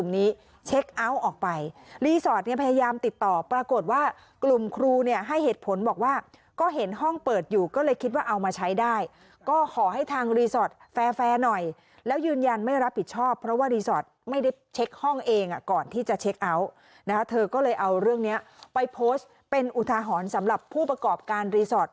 นี้เช็คเอาท์ออกไปรีสอร์ทเนี่ยพยายามติดต่อปรากฏว่ากลุ่มครูเนี่ยให้เหตุผลบอกว่าก็เห็นห้องเปิดอยู่ก็เลยคิดว่าเอามาใช้ได้ก็ขอให้ทางรีสอร์ทแฟร์แฟร์หน่อยแล้วยืนยันไม่รับผิดชอบเพราะว่ารีสอร์ทไม่ได้เช็คห้องเองก่อนที่จะเช็คเอาท์นะคะเธอก็เลยเอาเรื่องนี้ไปโพสต์เป็นอุทาหรณ์สำหรับผู้ประกอบการรีสอร์ท